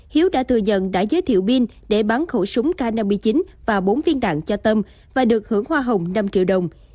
hiếu đã thừa nhận đã giới thiệu pin để bán khẩu súng k năm mươi chín và bốn viên đạn cho tâm và được hưởng hoa hồng năm triệu đồng